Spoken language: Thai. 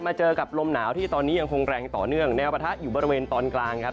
เจอกับลมหนาวที่ตอนนี้ยังคงแรงต่อเนื่องแนวปะทะอยู่บริเวณตอนกลางครับ